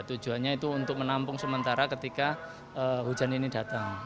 tujuannya itu untuk menampung sementara ketika hujan ini datang